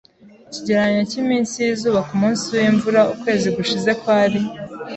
Ikigereranyo cyiminsi yizuba kumunsi wimvura ukwezi gushize kwari